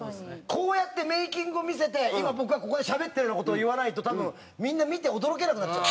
こうやってメイキングを見せて今僕がここでしゃべってるような事を言わないと多分みんな見て驚けなくなっちゃう。